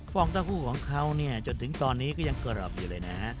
ฟองเต้าหู้ของเขาเนี่ยจนถึงตอนนี้ก็ยังกรอบอยู่เลยนะฮะ